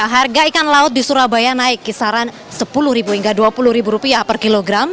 harga ikan laut di surabaya naik kisaran sepuluh hingga dua puluh rupiah per kilogram